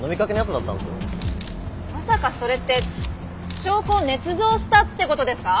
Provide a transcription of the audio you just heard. まさかそれって証拠を捏造したって事ですか？